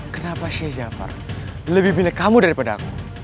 kenapa syekh jafar lebih milik kamu daripada aku